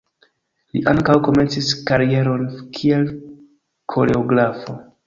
Li ankaŭ komencis karieron kiel koreografo.